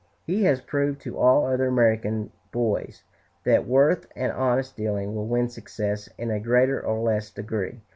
He has proved to all other American boys that worth and honest dealing will win success, in a greater or less degree.